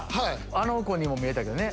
あの子にも見えたけどね